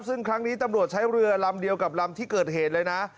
ซึ่งครั้งนี้ตำรวจใช้เรือลำเดียวกับลำที่เกิดเหตุเลยนะ